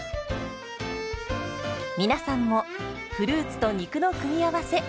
皆さんもフルーツと肉の組み合わせ